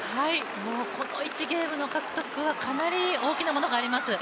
この１ゲームの獲得はかなり大きなものがあります。